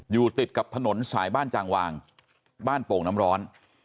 อยู่ติดกับถนนสายบ้านจางวางบ้านโป่งน้ำร้อน